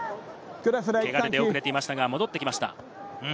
けがで出遅れていましたが戻ってきました。